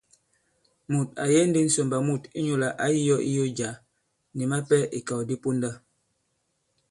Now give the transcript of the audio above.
Mùt à yege ndī ŋsòmbà mût inyūlà ǎ yī yō iyo jǎ, nì mapɛ ìkàw di ponda.